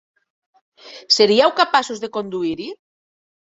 Seríeu capaços de conduir-hi?